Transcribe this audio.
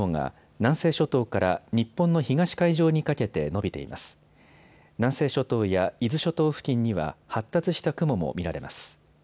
南西諸島や伊豆諸島付近には発達した雲も見られます。